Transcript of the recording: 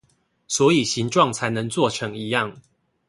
所以形狀才能做成一樣